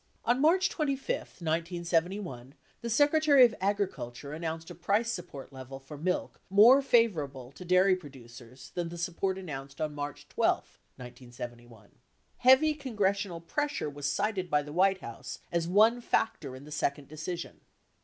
On March 25, 1971, the Secretary of Agriculture announced a price support level for milk more favorable to dairy producers than the support announced on March 12, 1971. Heavy Congressional pressure was cited by the White House as one factor in the second decision.